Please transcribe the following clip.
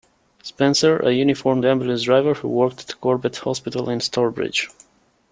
Spencer, a uniformed ambulance driver who worked at Corbett Hospital in Stourbridge.